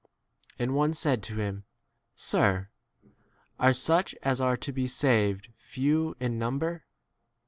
23 And one said to him, Sir, [are] such as are to be saved w few in number